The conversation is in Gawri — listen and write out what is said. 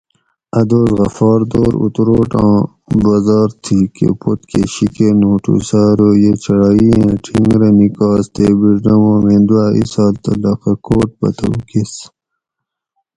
اۤ دوس غفار دور اُتروٹاں بازاۤر تھی کہ پوتکہ شیکہ نوٹو سہ ارو یہ چڑائ ایں ٹینگ رہ نِکاس تے بیڛدوم میں دوا ایسال تہ لخہ کوٹ پتہ اوکیس